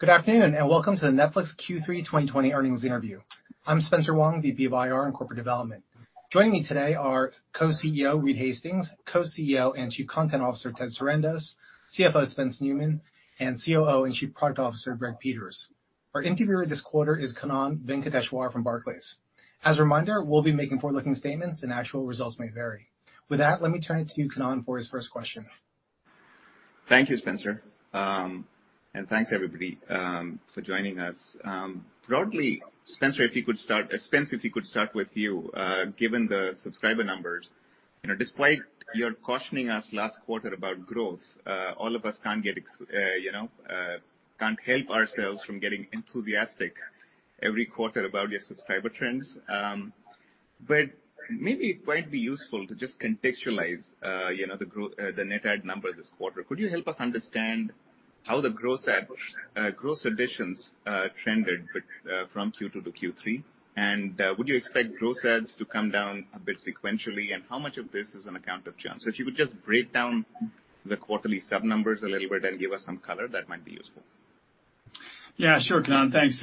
Good afternoon, and welcome to the Netflix Q3 2020 earnings interview. I'm Spencer Wang, VP of IR and Corporate Development. Joining me today are Co-CEO, Reed Hastings, Co-CEO and Chief Content Officer, Ted Sarandos, CFO, Spence Neumann, and COO and Chief Product Officer, Greg Peters. Our interviewer this quarter is Kannan Venkateshwar from Barclays. As a reminder, we'll be making forward-looking statements and actual results may vary. With that, let me turn it to Kannan for his first question. Thank you, Spencer, and thanks everybody for joining us. Broadly, Spence, if you could start with you. Given the subscriber numbers, despite your cautioning us last quarter about growth, all of us can't help ourselves from getting enthusiastic every quarter about your subscriber trends. Maybe it might be useful to just contextualize the net add number this quarter. Could you help us understand how the gross additions trended from Q2 to Q3? Would you expect gross adds to come down a bit sequentially? How much of this is an account of churn? If you could just break down the quarterly sub numbers a little bit and give us some color, that might be useful. Yeah, sure, Kannan. Thanks.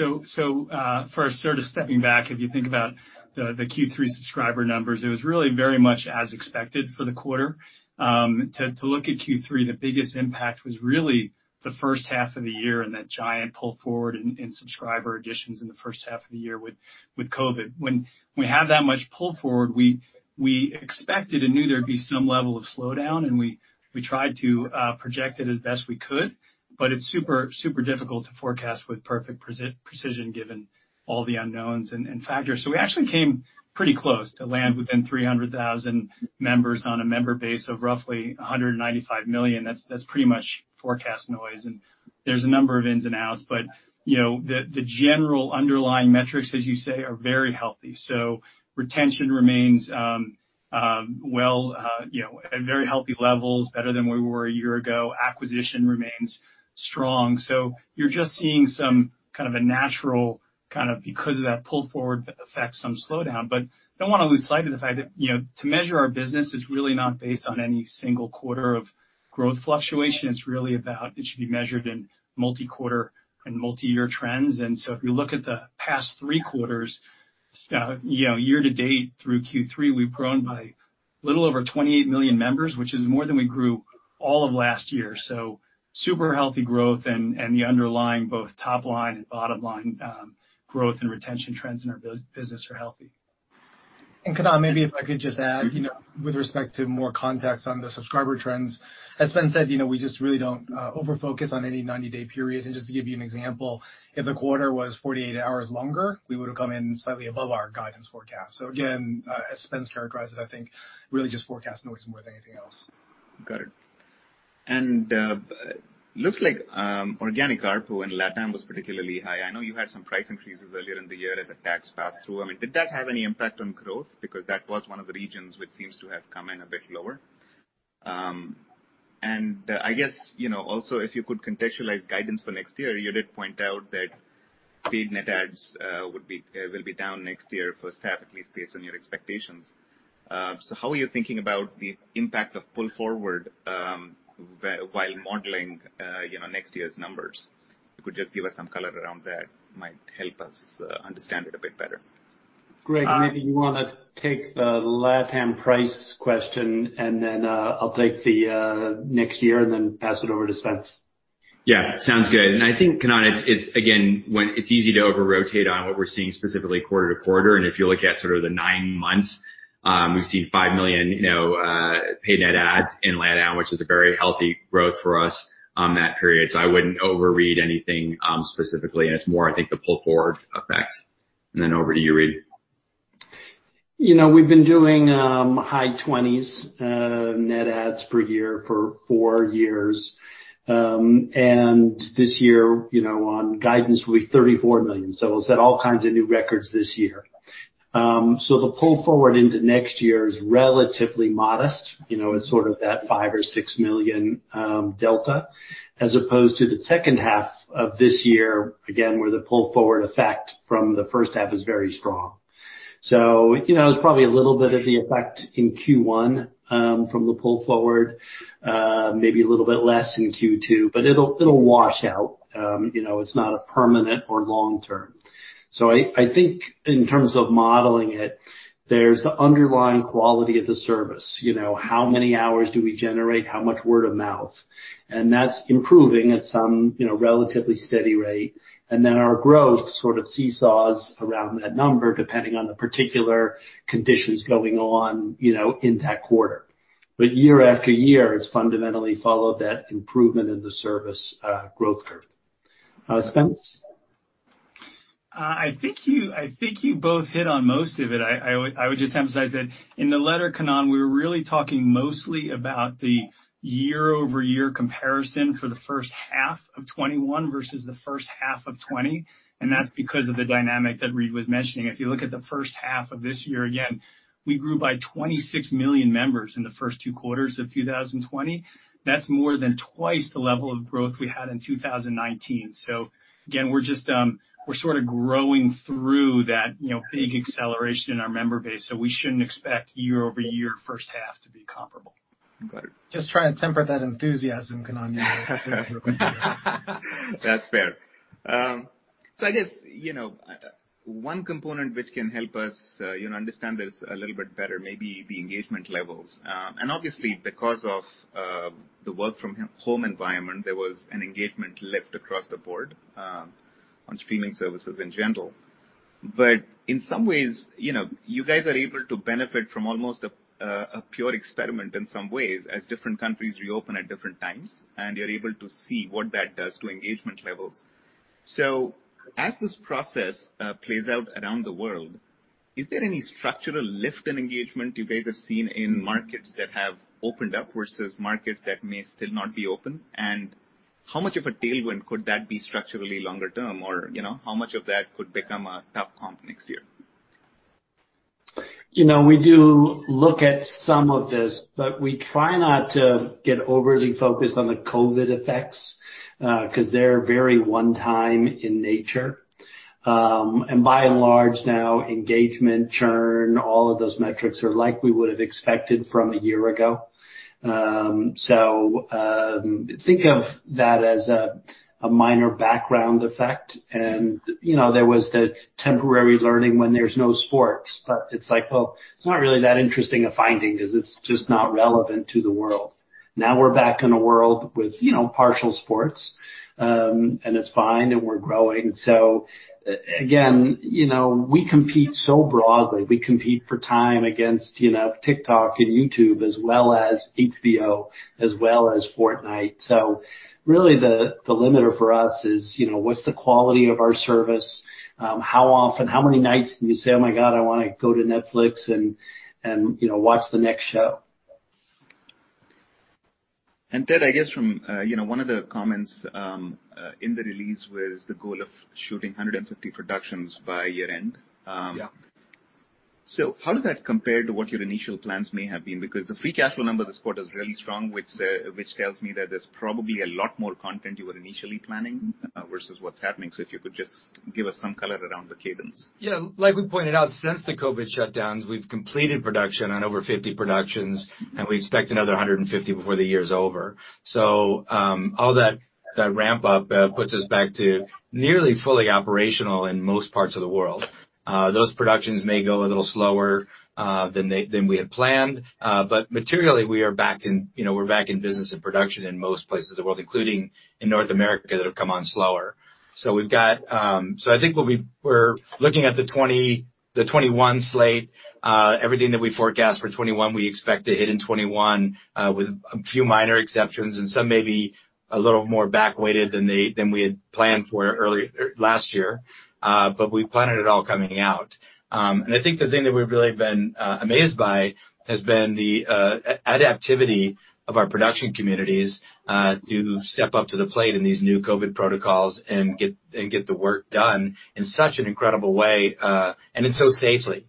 First, sort of stepping back, if you think about the Q3 subscriber numbers, it was really very much as expected for the quarter. To look at Q3, the biggest impact was really the first half of the year and that giant pull forward in subscriber additions in the first half of the year with COVID. When we have that much pull forward, we expected and knew there'd be some level of slowdown, and we tried to project it as best we could. It's super difficult to forecast with perfect precision given all the unknowns and factors. We actually came pretty close. To land within 300,000 members on a member base of roughly 195 million, that's pretty much forecast noise. There's a number of ins and outs, but the general underlying metrics, as you say, are very healthy. Retention remains at very healthy levels, better than we were a year ago. Acquisition remains strong. You're just seeing a natural, because of that pull forward effect, some slowdown. I don't want to lose sight of the fact that to measure our business, it's really not based on any single quarter of growth fluctuation. It should be measured in multi-quarter and multi-year trends. If you look at the past three quarters, year to date through Q3, we've grown by little over 28 million members, which is more than we grew all of last year. Super healthy growth and the underlying both top-line and bottom-line growth and retention trends in our business are healthy. Kannan, maybe if I could just add with respect to more context on the subscriber trends. As Spence said, we just really don't over-focus on any 90-day period. Just to give you an example, if the quarter was 48 hours longer, we would've come in slightly above our guidance forecast. Again, as Spence characterized it, I think really just forecast noise more than anything else. Got it. Looks like organic ARPU in LATAM was particularly high. I know you had some price increases earlier in the year as a tax pass-through. Did that have any impact on growth? Because that was one of the regions which seems to have come in a bit lower. I guess also if you could contextualize guidance for next year. You did point out that paid net adds will be down next year, first half at least, based on your expectations. How are you thinking about the impact of pull forward while modeling next year's numbers? If you could just give us some color around that, might help us understand it a bit better. Greg, maybe you want to take the LATAM price question, and then I'll take the next year and then pass it over to Spence. Yeah, sounds good. I think, Kannan, again, it's easy to over-rotate on what we're seeing specifically quarter to quarter. If you look at sort of the nine months, we've seen five million paid net adds in LATAM, which is a very healthy growth for us on that period. I wouldn't overread anything specifically, and it's more, I think, the pull forward effect. Then over to you, Reed. We've been doing high 20s net adds per year for four years. This year, on guidance, we'll be 34 million. We'll set all kinds of new records this year. The pull forward into next year is relatively modest. It's sort of that five or six million delta as opposed to the second half of this year, again, where the pull forward effect from the first half is very strong. It's probably a little bit of the effect in Q1 from the pull forward. Maybe a little bit less in Q2. It'll wash out. It's not a permanent or long-term. I think in terms of modeling it, there's the underlying quality of the service. How many hours do we generate? How much word of mouth? That's improving at some relatively steady rate. Our growth sort of seesaws around that number, depending on the particular conditions going on in that quarter. Year after year, it's fundamentally followed that improvement in the service growth curve. Spence? I think you both hit on most of it. I would just emphasize that in the letter, Kannan, we were really talking mostly about the year-over-year comparison for the first half of 2021 versus the first half of 2020, and that's because of the dynamic that Reed was mentioning. If you look at the first half of this year, again, we grew by 26 million members in the first two quarters of 2020. That's more than twice the level of growth we had in 2019. Again, we're sort of growing through that big acceleration in our member base. Be comparable. Got it. Just try and temper that enthusiasm, Kannan, real quickly. That's fair. I guess, one component which can help us understand this a little bit better may be the engagement levels. Obviously because of the work from home environment, there was an engagement lift across the board on streaming services in general. In some ways, you guys are able to benefit from almost a pure experiment in some ways, as different countries reopen at different times, and you're able to see what that does to engagement levels. As this process plays out around the world, is there any structural lift in engagement you guys have seen in markets that have opened up versus markets that may still not be open? How much of a tailwind could that be structurally longer term or how much of that could become a tough comp next year? We do look at some of this, but we try not to get overly focused on the COVID effects, because they're very one-time in nature. By and large now, engagement, churn, all of those metrics are like we would have expected from a year ago. Think of that as a minor background effect and there was the temporary learning when there's no sports. It's like, well, it's not really that interesting a finding because it's just not relevant to the world. Now we're back in a world with partial sports, and it's fine and we're growing. Again, we compete so broadly. We compete for time against TikTok and YouTube as well as HBO, as well as Fortnite. Really the limiter for us is what's the quality of our service? How often, how many nights can you say, "Oh my God. I want to go to Netflix and watch the next show. Ted, I guess from one of the comments in the release was the goal of shooting 150 productions by year-end. Yeah. How does that compare to what your initial plans may have been? The free cash flow number this quarter is really strong, which tells me that there's probably a lot more content you were initially planning versus what's happening. If you could just give us some color around the cadence. Yeah. Like we pointed out since the COVID shutdowns, we've completed production on over 50 productions, and we expect another 150 before the year is over. All that ramp-up puts us back to nearly fully operational in most parts of the world. Those productions may go a little slower than we had planned. Materially we're back in business and production in most places of the world, including in North America, that have come on slower. I think we're looking at the 2021 slate. Everything that we forecast for 2021, we expect to hit in 2021 with a few minor exceptions and some may be a little more back weighted than we had planned for last year. We've planned it all coming out. I think the thing that we've really been amazed by has been the adaptivity of our production communities to step up to the plate in these new COVID protocols and get the work done in such an incredible way, and then so safely.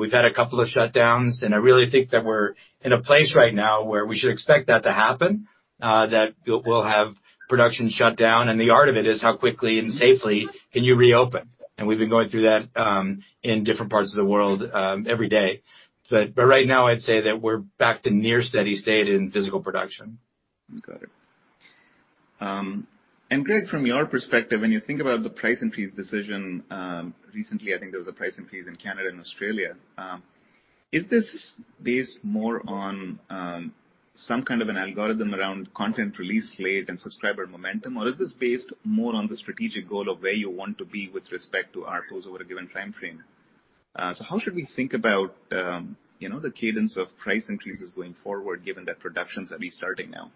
We've had a couple of shutdowns, I really think that we're in a place right now where we should expect that to happen, that we'll have production shut down. The art of it is how quickly and safely can you reopen. We've been going through that in different parts of the world every day. Right now I'd say that we're back to near steady state in physical production. Got it. Greg, from your perspective, when you think about the price increase decision, recently, I think there was a price increase in Canada and Australia. Is this based more on some kind of an algorithm around content release slate and subscriber momentum? Or is this based more on the strategic goal of where you want to be with respect to ARPU over a given time frame? How should we think about the cadence of price increases going forward given that productions are restarting now?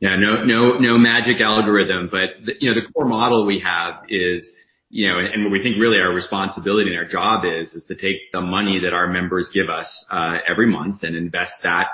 Yeah. No magic algorithm, but the core model we have is, and we think really our responsibility and our job is to take the money that our members give us every month and invest that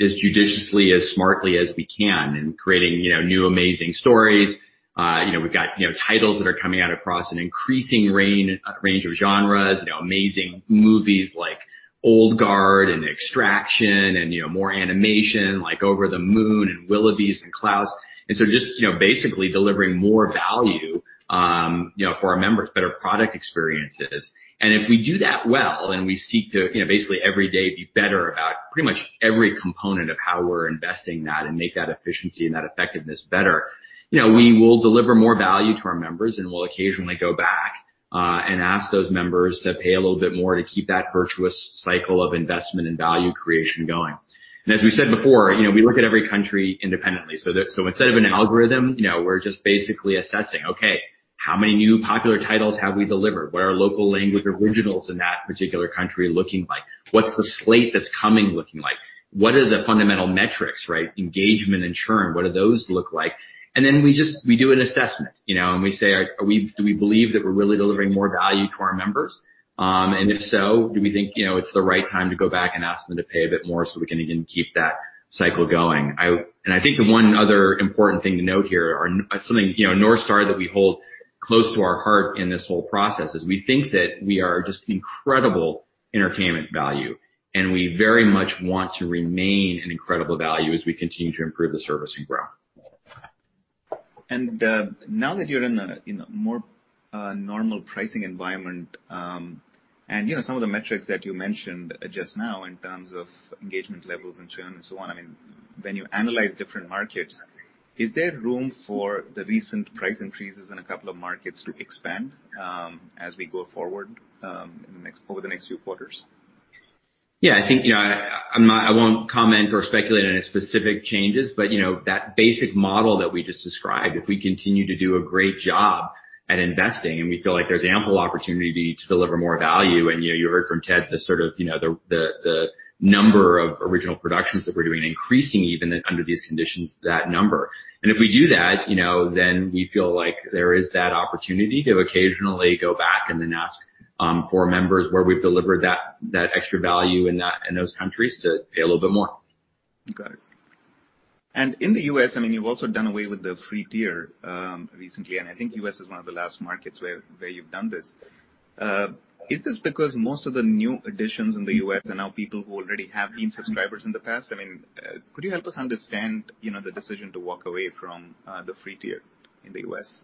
as judiciously, as smartly as we can in creating new, amazing stories. We've got titles that are coming out across an increasing range of genres. Amazing movies like "The Old Guard" and "Extraction" and more animation like "Over the Moon" and "The Willoughbys" and "Klaus." Just basically delivering more value for our members, better product experiences. If we do that well and we seek to basically every day be better about pretty much every component of how we're investing that and make that efficiency and that effectiveness better, we will deliver more value to our members, and we'll occasionally go back and ask those members to pay a little bit more to keep that virtuous cycle of investment and value creation going. As we said before, we look at every country independently. Instead of an algorithm, we're just basically assessing, okay, how many new popular titles have we delivered? What are local language originals in that particular country looking like? What's the slate that's coming looking like? What are the fundamental metrics, right? Engagement and churn, what do those look like? Then we do an assessment. We say, do we believe that we're really delivering more value to our members? If so, do we think it's the right time to go back and ask them to pay a bit more so we can again keep that cycle going. I think the one other important thing to note here are something north star that we hold close to our heart in this whole process is we think that we are just incredible entertainment value, and we very much want to remain an incredible value as we continue to improve the service and grow. Now that you're in a more normal pricing environment, and some of the metrics that you mentioned just now in terms of engagement levels and churn and so on, when you analyze different markets, is there room for the recent price increases in a couple of markets to expand as we go forward over the next few quarters? Yeah. I won't comment or speculate on any specific changes, but that basic model that we just described, if we continue to do a great job at investing, and we feel like there's ample opportunity to deliver more value. You heard from Ted the number of original productions that we're doing, increasing even under these conditions, that number. If we do that, then we feel like there is that opportunity to occasionally go back and then ask for members where we've delivered that extra value in those countries to pay a little bit more. Got it. In the U.S., you've also done away with the free tier recently, and I think U.S. is one of the last markets where you've done this. Is this because most of the new additions in the U.S. are now people who already have been subscribers in the past? Could you help us understand the decision to walk away from the free tier in the U.S.?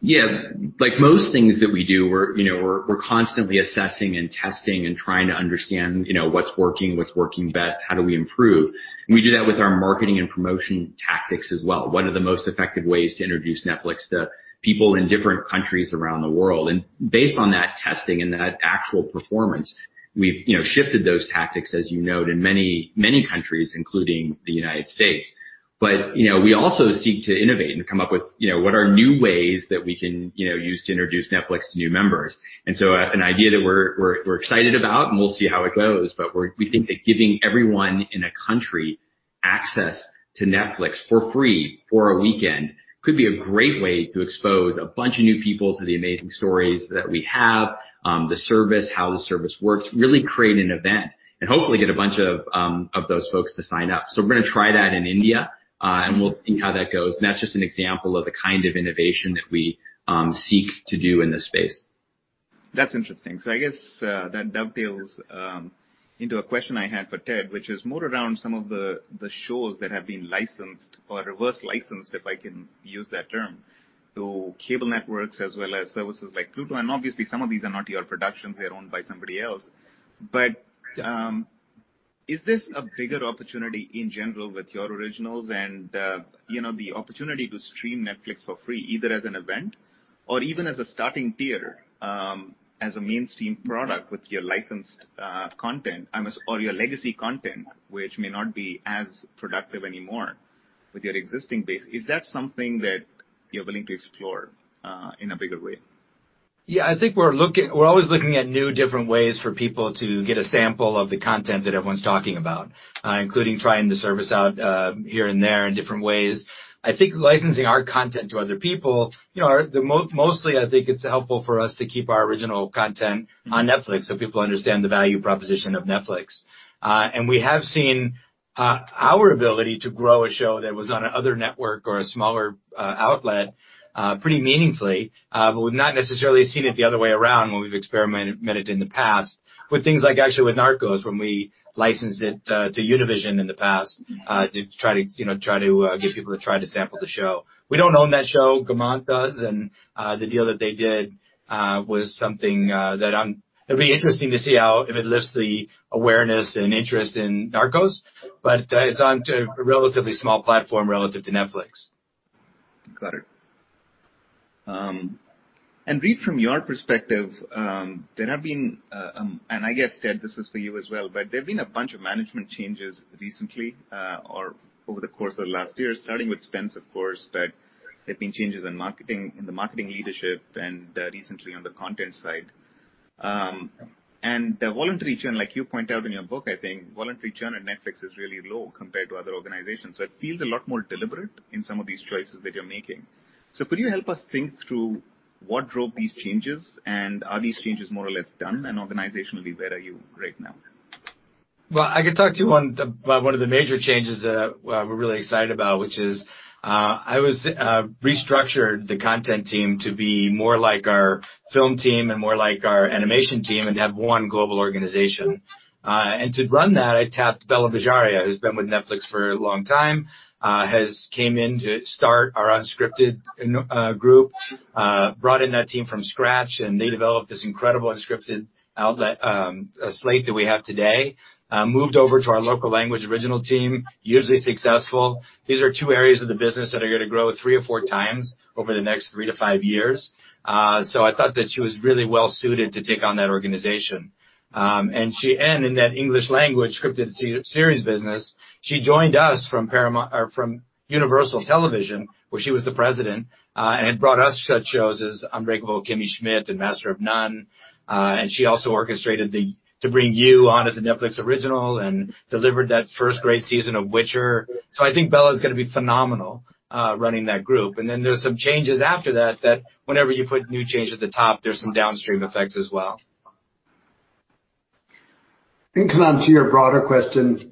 Yeah. Like most things that we do, we're constantly assessing and testing and trying to understand what's working, what's working best, how do we improve? We do that with our marketing and promotion tactics as well. What are the most effective ways to introduce Netflix to people in different countries around the world? Based on that testing and that actual performance, we've shifted those tactics, as you note, in many countries, including the United States. We also seek to innovate and come up with what are new ways that we can use to introduce Netflix to new members. An idea that we're excited about, and we'll see how it goes, but we think that giving everyone in a country access to Netflix for free for a weekend could be a great way to expose a bunch of new people to the amazing stories that we have, the service, how the service works, really create an event, and hopefully get a bunch of those folks to sign up. We're going to try that in India, and we'll see how that goes. That's just an example of the kind of innovation that we seek to do in this space. That's interesting. I guess that dovetails into a question I had for Ted, which is more around some of the shows that have been licensed or reverse licensed, if I can use that term, to cable networks as well as services like Pluto. Obviously, some of these are not your productions, they're owned by somebody else. Is this a bigger opportunity in general with your originals and the opportunity to stream Netflix for free, either as an event or even as a starting tier, as a mainstream product with your licensed content or your legacy content, which may not be as productive anymore with your existing base? Is that something that you're willing to explore in a bigger way? Yeah, I think we're always looking at new, different ways for people to get a sample of the content that everyone's talking about, including trying the service out here and there in different ways. I think licensing our content to other people, mostly, I think it's helpful for us to keep our original content on Netflix so people understand the value proposition of Netflix. We have seen our ability to grow a show that was on another network or a smaller outlet pretty meaningfully, but we've not necessarily seen it the other way around when we've experimented in the past. With things like actually with "Narcos," when we licensed it to Univision in the past to try to get people to try to sample the show. We don't own that show. Gaumont does. The deal that they did was something that it'd be interesting to see if it lifts the awareness and interest in "Narcos," but it's on a relatively small platform relative to Netflix. Got it. Reed, from your perspective, there have been, and I guess, Ted, this is for you as well, there have been a bunch of management changes recently or over the course of the last year, starting with Spence, of course. There have been changes in the marketing leadership and recently on the content side. The voluntary churn, like you point out in your book, I think voluntary churn at Netflix is really low compared to other organizations. It feels a lot more deliberate in some of these choices that you're making. Could you help us think through what drove these changes, and are these changes more or less done? Organizationally, where are you right now? Well, I could talk to you about one of the major changes that we're really excited about, which is I restructured the content team to be more like our film team and more like our animation team and have one global organization. To run that, I tapped Bela Bajaria, who's been with Netflix for a long time, has came in to start our unscripted group, brought in that team from scratch, and they developed this incredible unscripted outlet slate that we have today. She moved over to our local language original team, hugely successful. These are two areas of the business that are going to grow three or four times over the next three to five years. I thought that she was really well suited to take on that organization. In that English language scripted series business, she joined us from Universal Television, where she was the president, and had brought us such shows as "Unbreakable Kimmy Schmidt" and "Master of None," and she also orchestrated to bring you on as a Netflix original and delivered that first great season of "Witcher." I think Bela is going to be phenomenal running that group. There's some changes after that whenever you put new change at the top, there's some downstream effects as well. To come on to your broader questions.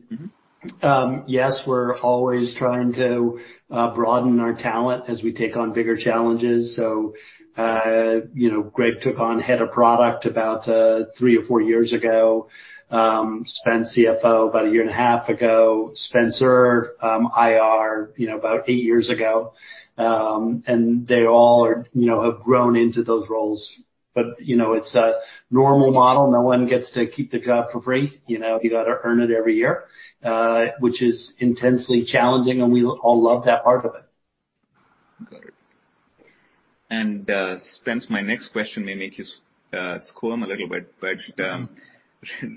Yes, we're always trying to broaden our talent as we take on bigger challenges. Greg took on head of product about three or four years ago. Spence, CFO, about a year and a half ago. Spencer, IR, about eight years ago. They all have grown into those roles. It's a normal model. No one gets to keep the job for free. You got to earn it every year, which is intensely challenging, and we all love that part of it. Got it. Hence my next question may make you squirm a little bit.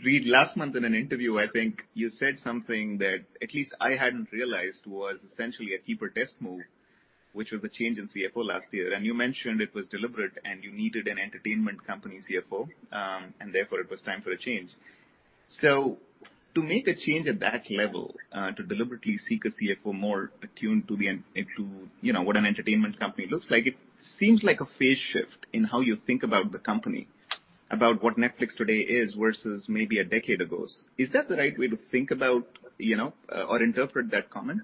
Reed, last month in an interview, I think you said something that at least I hadn't realized was essentially a keeper test move, which was the change in CFO last year. You mentioned it was deliberate, and you needed an entertainment company CFO, and therefore it was time for a change. To make a change at that level, to deliberately seek a CFO more attuned to what an entertainment company looks like, it seems like a phase shift in how you think about the company, about what Netflix today is versus maybe a decade ago. Is that the right way to think about or interpret that comment?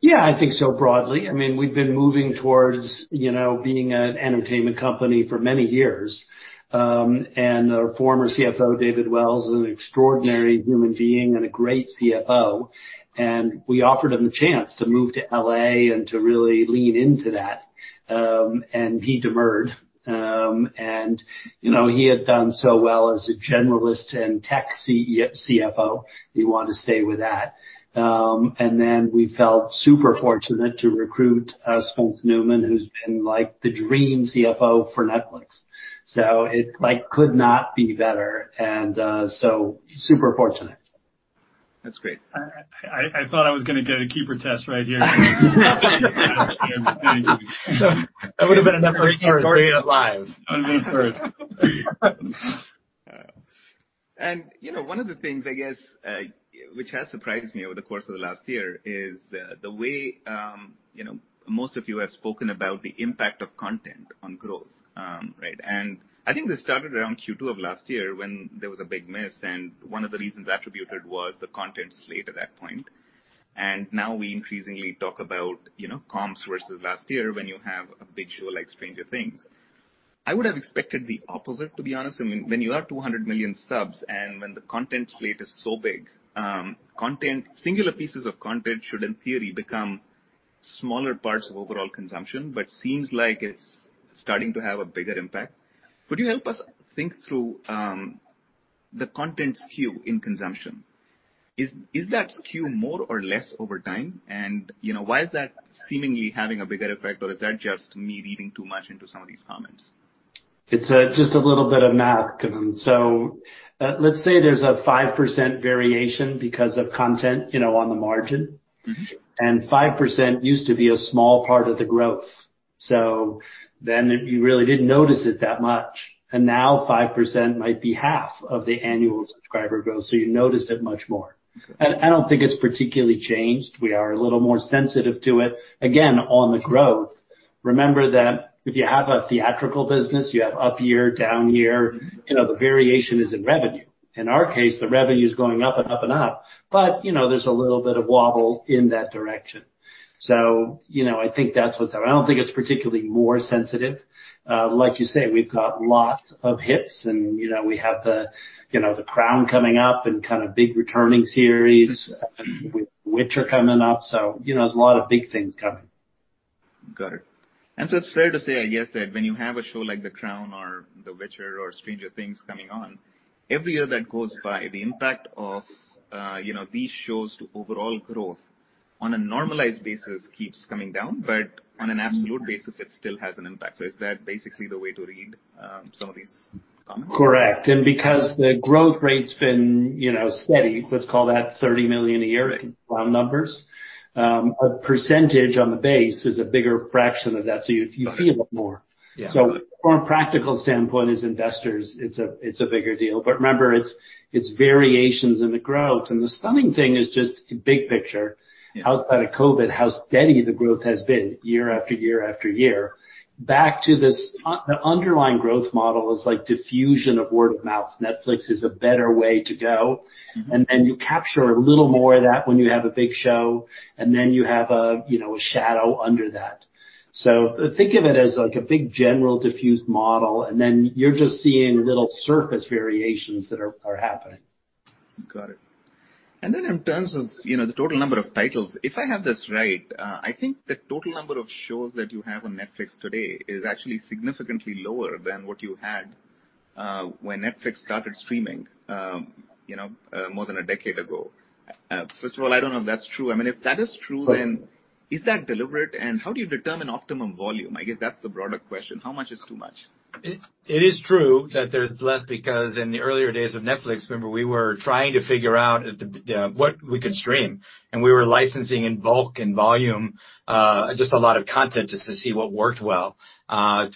Yeah, I think so, broadly. We've been moving towards being an entertainment company for many years. Our former CFO, David Wells, is an extraordinary human being and a great CFO, and we offered him the chance to move to L.A. and to really lean into that. He demurred. He had done so well as a generalist and tech CFO, he wanted to stay with that. We felt super fortunate to recruit Spence Neumann, who's been the dream CFO for Netflix. It could not be better, and so super fortunate. That's great. I thought I was gonna get a keeper test right here. That would've been a first. Create it live. That would've been a first. One of the things, I guess, which has surprised me over the course of the last year is the way most of you have spoken about the impact of content on growth. Right? I think this started around Q2 of last year when there was a big miss, and one of the reasons attributed was the content slate at that point. Now we increasingly talk about comps versus last year when you have a big show like Stranger Things. I would have expected the opposite, to be honest. When you have 200 million subs and when the content slate is so big, singular pieces of content should, in theory, become smaller parts of overall consumption. Seems like it's starting to have a bigger impact. Could you help us think through the content skew in consumption? Is that skew more or less over time, and why is that seemingly having a bigger effect, or is that just me reading too much into some of these comments? It's just a little bit of math, Kannan. Let's say there's a 5% variation because of content on the margin. 5% used to be a small part of the growth, so then you really didn't notice it that much. Now 5% might be half of the annual subscriber growth, so you notice it much more. I don't think it's particularly changed. We are a little more sensitive to it. Again, on the growth, remember that if you have a theatrical business, you have up year, down year, the variation is in revenue. In our case, the revenue's going up and up and up. There's a little bit of wobble in that direction. I think that's what's happening. I don't think it's particularly more sensitive. Like you say, we've got lots of hits, and we have The Crown coming up and kind of big returning series with The Witcher coming up. There's a lot of big things coming. Got it. It's fair to say, I guess, that when you have a show like The Crown or The Witcher or Stranger Things coming on, every year that goes by, the impact of these shows to overall growth on a normalized basis keeps coming down. On an absolute basis, it still has an impact. Is that basically the way to read some of these comments? Correct. Because the growth rate's been steady, let's call that $30 million a year. Right round numbers, a percentage on the base is a bigger fraction of that, so you feel it more. Yeah. From a practical standpoint, as investors, it's a bigger deal. Remember, it's variations in the growth. The stunning thing is just big picture. Yeah. Outside of COVID, how steady the growth has been year after year after year. Back to this, the underlying growth model is like diffusion of word of mouth. Netflix is a better way to go. You capture a little more of that when you have a big show, and then you have a shadow under that. Think of it as like a big general diffused model, and then you're just seeing little surface variations that are happening. Got it. In terms of the total number of titles, if I have this right, I think the total number of shows that you have on Netflix today is actually significantly lower than what you had when Netflix started streaming more than a decade ago. First of all, I don't know if that's true. If that is true, then is that deliberate, and how do you determine optimum volume? I guess that's the broader question. How much is too much? It is true that there's less because in the earlier days of Netflix, remember, we were trying to figure out what we could stream, and we were licensing in bulk and volume, just a lot of content just to see what worked well,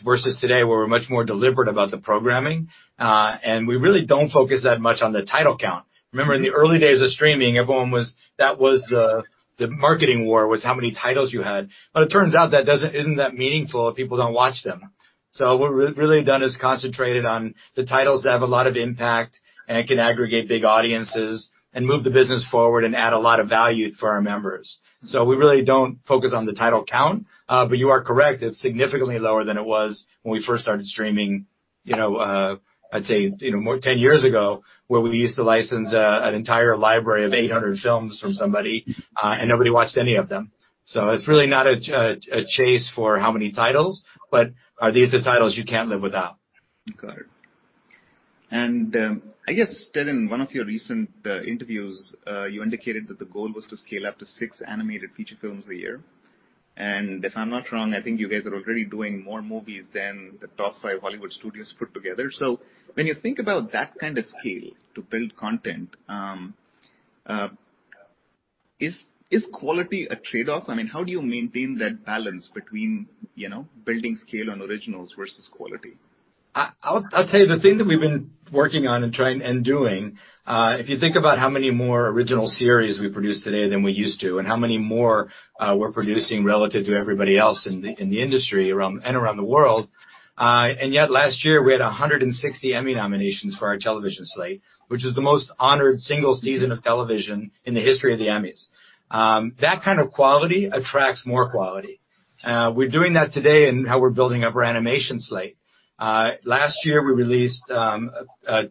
versus today, where we're much more deliberate about the programming. We really don't focus that much on the title count. Remember, in the early days of streaming, that was the marketing war, was how many titles you had. It turns out that isn't that meaningful if people don't watch them. What we've really done is concentrated on the titles that have a lot of impact and can aggregate big audiences and move the business forward and add a lot of value for our members. We really don't focus on the title count. you are correct, it's significantly lower than it was when we first started streaming I'd say more 10 years ago, where we used to license an entire library of 800 films from somebody, and nobody watched any of them. it's really not a chase for how many titles, but are these the titles you can't live without? Got it. I guess, Ted, in one of your recent interviews, you indicated that the goal was to scale up to six animated feature films a year. If I'm not wrong, I think you guys are already doing more movies than the top five Hollywood studios put together. When you think about that kind of scale to build content, is quality a trade-off? I mean, how do you maintain that balance between building scale on originals versus quality? I'll tell you the thing that we've been working on and trying and doing, if you think about how many more original series we produce today than we used to, and how many more we're producing relative to everybody else in the industry and around the world. Yet last year, we had 160 Emmy nominations for our television slate, which is the most honored single season of television in the history of the Emmys. That kind of quality attracts more quality. We're doing that today in how we're building up our animation slate. Last year, we released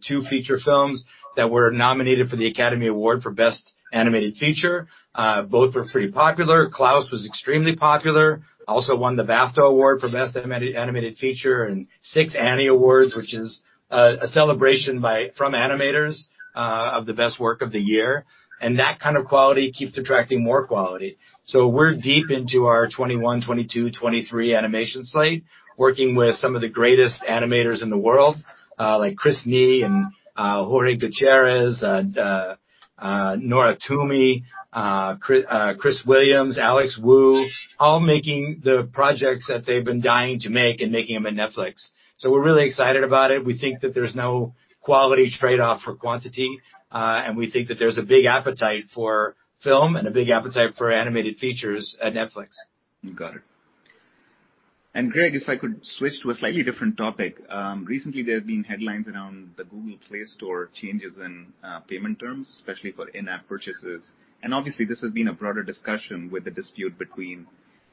two feature films that were nominated for the Academy Award for Best Animated Feature. Both were pretty popular. "Klaus" was extremely popular. Also won the BAFTA award for Best Animated Feature and six Annie Awards, which is a celebration from animators of the best work of the year. That kind of quality keeps attracting more quality. We're deep into our 21, 22, 23 animation slate, working with some of the greatest animators in the world, like Chris Meledandri and Jorge Gutierrez, Nora Twomey, Chris Williams, Alex Wu, all making the projects that they've been dying to make and making them at Netflix. We're really excited about it. We think that there's no quality trade-off for quantity. We think that there's a big appetite for film and a big appetite for animated features at Netflix. Got it. Greg, if I could switch to a slightly different topic. Recently, there have been headlines around the Google Play Store changes in payment terms, especially for in-app purchases. Obviously, this has been a broader discussion with the dispute between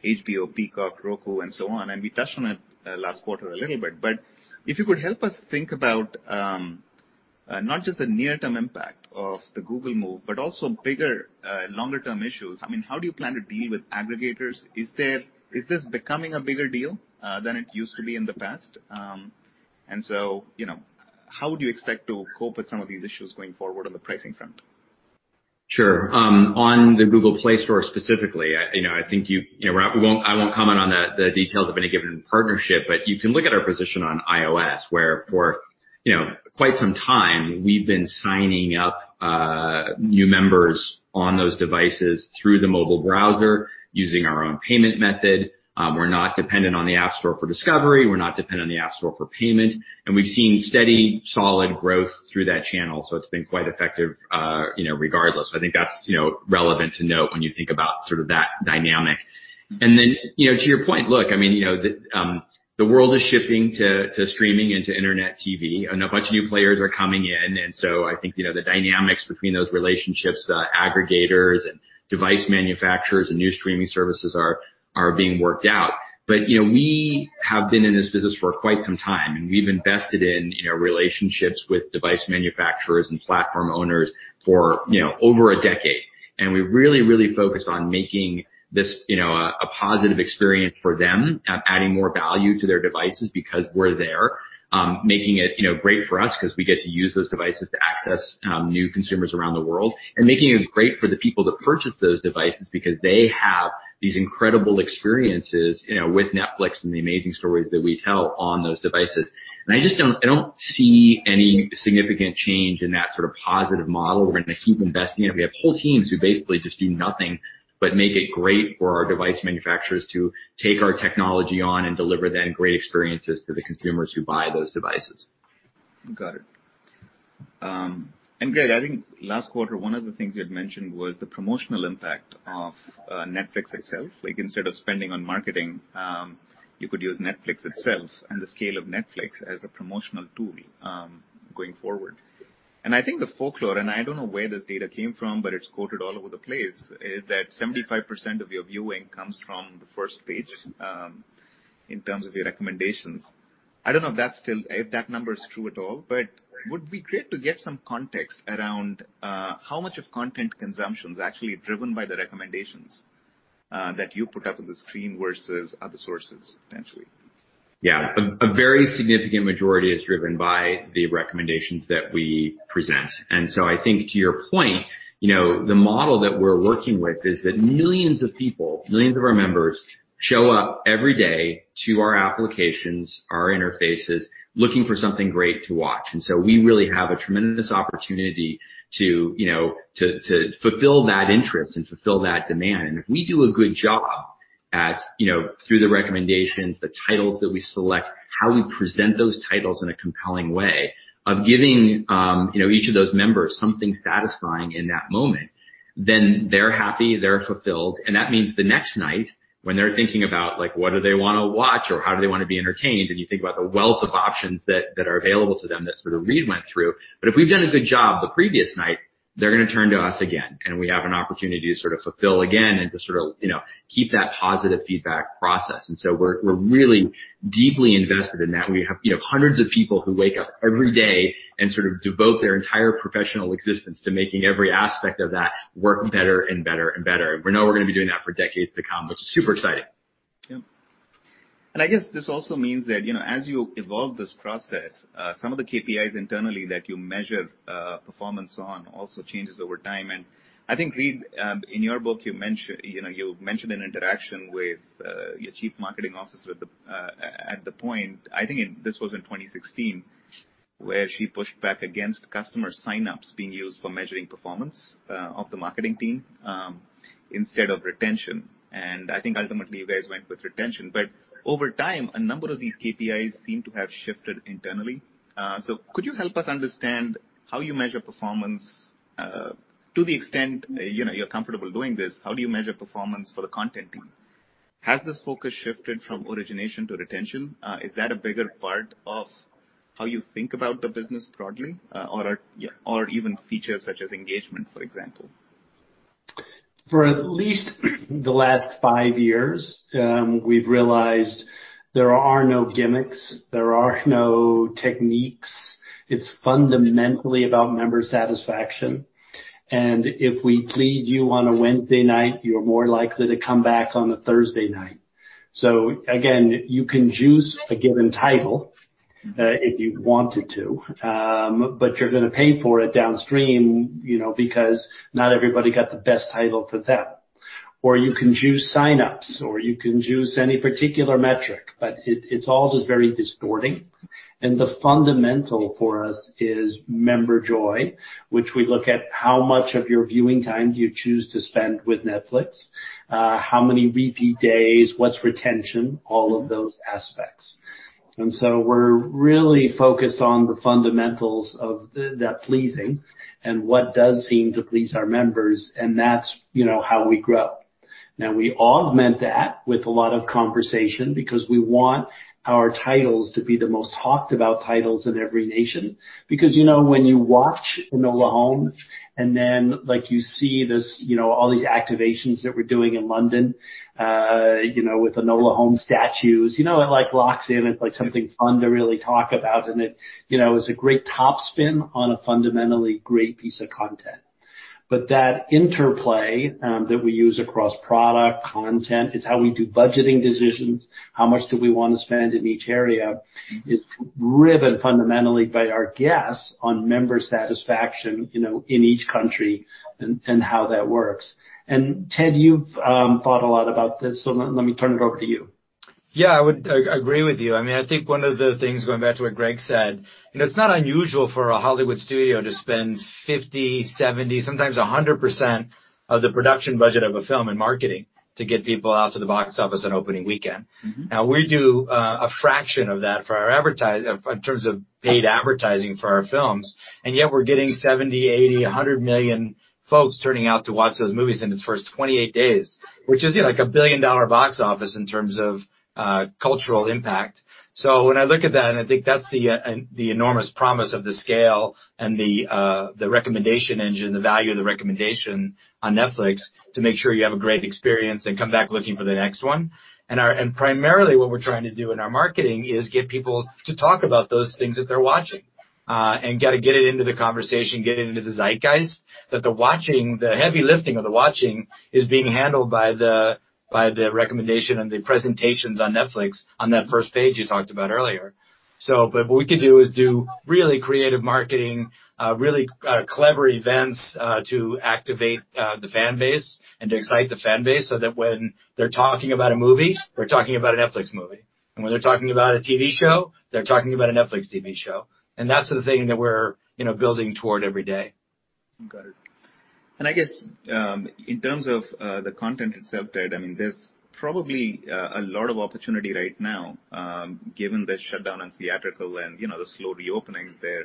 HBO, Peacock, Roku, and so on. We touched on it last quarter a little bit. If you could help us think about not just the near-term impact of the Google move, but also bigger, longer-term issues. I mean, how do you plan to deal with aggregators? Is this becoming a bigger deal than it used to be in the past? How would you expect to cope with some of these issues going forward on the pricing front? Sure. On the Google Play Store specifically, I won't comment on the details of any given partnership, but you can look at our position on iOS, where for quite some time, we've been signing up new members on those devices through the mobile browser using our own payment method. We're not dependent on the App Store for discovery. We're not dependent on the App Store for payment. We've seen steady, solid growth through that channel, so it's been quite effective regardless. I think that's relevant to note when you think about that dynamic. To your point, look, the world is shifting to streaming and to internet TV, and a bunch of new players are coming in. I think, the dynamics between those relationships, aggregators, and device manufacturers and new streaming services are being worked out. We have been in this business for quite some time, and we've invested in relationships with device manufacturers and platform owners for over a decade. We really, really focused on making this a positive experience for them, adding more value to their devices because we're there. Making it great for us because we get to use those devices to access new consumers around the world. Making it great for the people that purchase those devices because they have these incredible experiences with Netflix and the amazing stories that we tell on those devices. I don't see any significant change in that sort of positive model. We're going to keep investing in it. We have whole teams who basically just do nothing but make it great for our device manufacturers to take our technology on and deliver them great experiences to the consumers who buy those devices. Got it. Greg, I think last quarter, one of the things you had mentioned was the promotional impact of Netflix itself. Like instead of spending on marketing, you could use Netflix itself and the scale of Netflix as a promotional tool, going forward. I think the folklore, and I don't know where this data came from, but it's quoted all over the place, is that 75% of your viewing comes from the first page, in terms of your recommendations. I don't know if that number is true at all, but would be great to get some context around how much of content consumption is actually driven by the recommendations that you put up on the screen versus other sources, potentially. Yeah. A very significant majority is driven by the recommendations that we present. I think to your point, the model that we're working with is that millions of people, millions of our members, show up every day to our applications, our interfaces, looking for something great to watch. We really have a tremendous opportunity to fulfill that interest and fulfill that demand. If we do a good job through the recommendations, the titles that we select, how we present those titles in a compelling way of giving each of those members something satisfying in that moment, then they're happy, they're fulfilled. That means the next night when they're thinking about what do they want to watch or how do they want to be entertained, and you think about the wealth of options that are available to them that sort of Reed went through. If we've done a good job the previous night, they're going to turn to us again, and we have an opportunity to fulfill again and to sort of keep that positive feedback. process. we're really deeply invested in that. We have hundreds of people who wake up every day and devote their entire professional existence to making every aspect of that work better and better. we know we're going to be doing that for decades to come, which is super exciting. Yeah. I guess this also means that, as you evolve this process, some of the KPIs internally that you measure performance on also changes over time. I think Reed, in your book, you mentioned an interaction with your chief marketing officer at the point, I think this was in 2016, where she pushed back against customer sign-ups being used for measuring performance of the marketing team, instead of retention. I think ultimately you guys went with retention. Over time, a number of these KPIs seem to have shifted internally. Could you help us understand how you measure performance, to the extent you're comfortable doing this, how do you measure performance for the content team? Has this focus shifted from origination to retention? Is that a bigger part of how you think about the business broadly or even features such as engagement, for example? For at least the last five years, we've realized there are no gimmicks, there are no techniques. It's fundamentally about member satisfaction. If we please you on a Wednesday night, you're more likely to come back on a Thursday night. Again, you can juice a given title, if you wanted to, but you're going to pay for it downstream, because not everybody got the best title for them. You can juice sign-ups, or you can juice any particular metric, but it's all just very distorting. The fundamental for us is member joy, which we look at how much of your viewing time do you choose to spend with Netflix, how many repeat days, what's retention, all of those aspects. We're really focused on the fundamentals of that pleasing and what does seem to please our members, and that's how we grow. Now, we augment that with a lot of conversation because we want our titles to be the most talked about titles in every nation. Because when you watch "Enola Holmes" and then you see all these activations that we're doing in London, with Enola Holmes statues, it locks in, it's something fun to really talk about, and it is a great top spin on a fundamentally great piece of content. That interplay that we use across product, content, it's how we do budgeting decisions, how much do we want to spend in each area, is driven fundamentally by our guests on member satisfaction in each country and how that works. Ted, you've thought a lot about this, so let me turn it over to you. Yeah, I would agree with you. I think one of the things, going back to what Greg said, it is not unusual for a Hollywood studio to spend 50%, 70%, sometimes 100% of the production budget of a film in marketing to get people out to the box office on opening weekend. Now, we do a fraction of that in terms of paid advertising for our films, and yet we're getting 70 million, 80 million, 100 million folks turning out to watch those movies in its first 28 days, which is like a billion-dollar box office in terms of cultural impact. When I look at that, and I think that's the enormous promise of the scale and the recommendation engine, the value of the recommendation on Netflix, to make sure you have a great experience and come back looking for the next one. Primarily what we're trying to do in our marketing is get people to talk about those things that they're watching, and get it into the conversation, get it into the zeitgeist. That the heavy lifting of the watching is being handled by the recommendation and the presentations on Netflix on that first page you talked about earlier. What we could do is do really creative marketing, really clever events, to activate the fan base and to excite the fan base so that when they're talking about a movie, they're talking about a Netflix movie. When they're talking about a TV show, they're talking about a Netflix TV show. That's the thing that we're building toward every day. Got it. I guess, in terms of the content itself, Ted, there's probably a lot of opportunity right now, given the shutdown in theatrical and the slow reopenings there.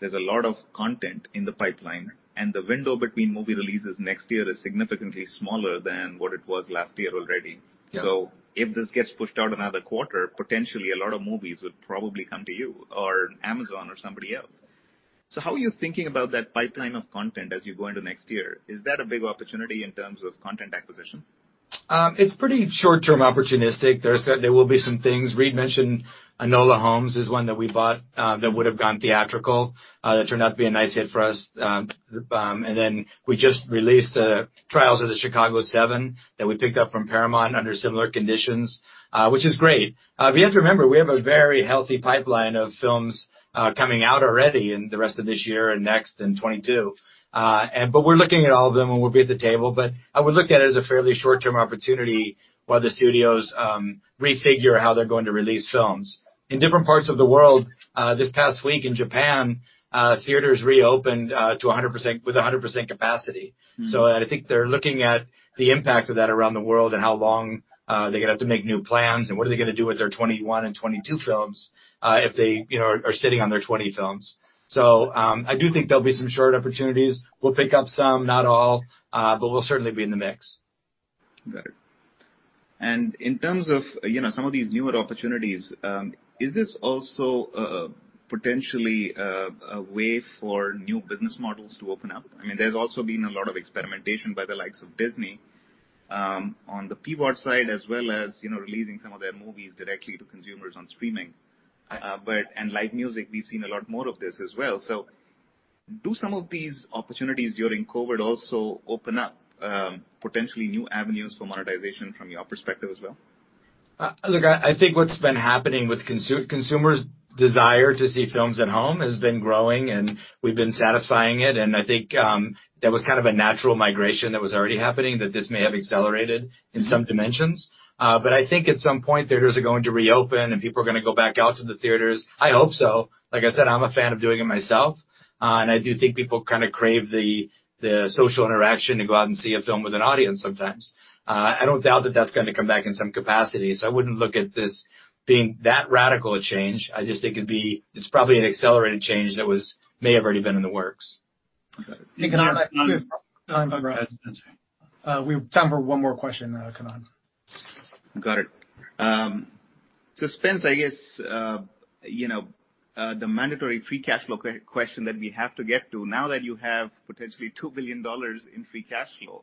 There's a lot of content in the pipeline, and the window between movie releases next year is significantly smaller than what it was last year already. Yeah. If this gets pushed out another quarter, potentially a lot of movies would probably come to you or Amazon or somebody else. How are you thinking about that pipeline of content as you go into next year? Is that a big opportunity in terms of content acquisition? It's pretty short-term opportunistic. There will be some things. Reed mentioned "Enola Holmes" is one that we bought that would've gone theatrical, that turned out to be a nice hit for us. We just released "The Trial of the Chicago 7" that we picked up from Paramount under similar conditions, which is great. We have to remember, we have a very healthy pipeline of films coming out already in the rest of this year and next and '22. We're looking at all of them, and we'll be at the table. I would look at it as a fairly short-term opportunity while the studios refigure how they're going to release films. In different parts of the world, this past week in Japan, theaters reopened with 100% capacity. I think they're looking at the impact of that around the world and how long they're going to have to make new plans, and what are they going to do with their '21 and '22 films, if they are sitting on their '20 films. I do think there'll be some short opportunities. We'll pick up some, not all, but we'll certainly be in the mix. Got it. In terms of some of these newer opportunities, is this also potentially a way for new business models to open up? There's also been a lot of experimentation by the likes of Disney on the PVOD side, as well as releasing some of their movies directly to consumers on streaming. Live music, we've seen a lot more of this as well. Do some of these opportunities during COVID also open up potentially new avenues for monetization from your perspective as well? Look, I think what's been happening with consumers' desire to see films at home has been growing, and we've been satisfying it. I think that was a natural migration that was already happening, that this may have accelerated in some dimensions. I think at some point, theaters are going to reopen and people are going to go back out to the theaters. I hope so. Like I said, I'm a fan of doing it myself. I do think people crave the social interaction to go out and see a film with an audience sometimes. I don't doubt that that's going to come back in some capacity, so I wouldn't look at this being that radical a change. I just think it's probably an accelerated change that may have already been in the works. Okay. Hey, Kannan. Go ahead, Spence. We have time for one more question, Kannan. Got it. Spence, I guess, the mandatory free cash flow question that we have to get to, now that you have potentially $2 billion in free cash flow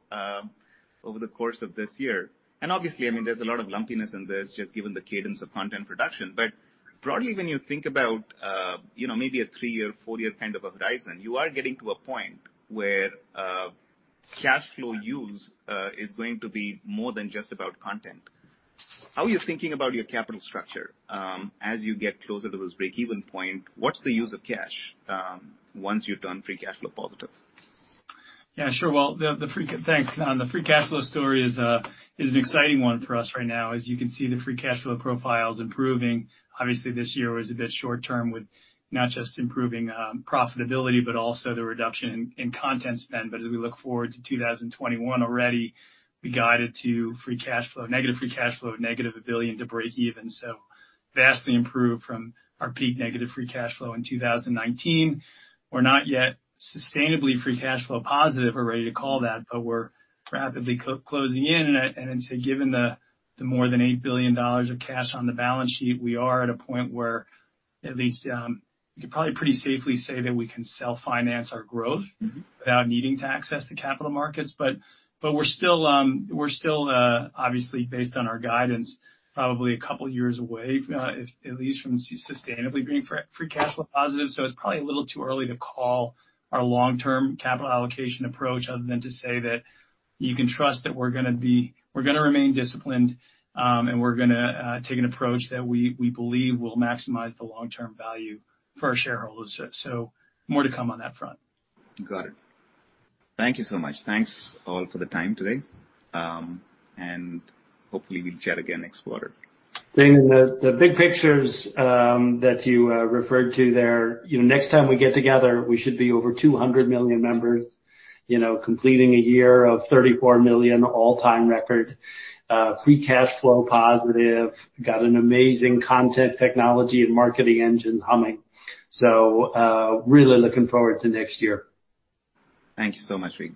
over the course of this year. Obviously, there's a lot of lumpiness in this, just given the cadence of content production. Broadly, when you think about maybe a three-year, four-year kind of horizon, you are getting to a point where cash flow use is going to be more than just about content. What's the use of cash once you've turned free cash flow positive? Yeah, sure. Well, thanks, Kannan. The free cash flow story is an exciting one for us right now. As you can see, the free cash flow profile's improving. Obviously, this year was a bit short-term with not just improving profitability, but also the reduction in content spend. As we look forward to 2021, already we guided to negative free cash flow of negative $1 billion to break even. Vastly improved from our peak negative free cash flow in 2019. We're not yet sustainably free cash flow positive or ready to call that, but we're rapidly closing in. Given the more than $8 billion of cash on the balance sheet, we are at a point where at least you could probably pretty safely say that we can self-finance our growth without needing to access the capital markets. We're still, obviously based on our guidance, probably a couple of years away at least from sustainably being free cash flow positive. It's probably a little too early to call our long-term capital allocation approach other than to say that you can trust that we're going to remain disciplined, and we're going to take an approach that we believe will maximize the long-term value for our shareholders. More to come on that front. Got it. Thank you so much. Thanks all for the time today. Hopefully we'll chat again next quarter. Reed, the big pictures that you referred to there. Next time we get together, we should be over 200 million members completing a year of 34 million all-time record. Free cash flow positive. Got an amazing content technology and marketing engine humming. Really looking forward to next year. Thank you so much, Reed